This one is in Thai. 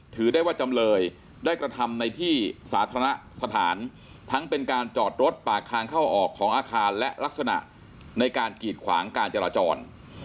ถือได้ว่าจำเลยได้กระทำในที่สาธารณสถานทั้งเป็นการจอดรถปากทางเข้าออกของอาคารและลักษณะในการกีดขวางการจราจร